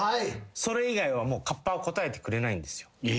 それ以外はカッパは答えてくれないんです。